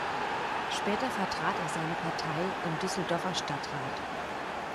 Später vertrat er seine Partei im Düsseldorfer Stadtrat.